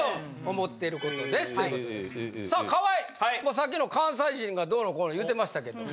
さっきの関西人がどうのこうの言うてましたけど。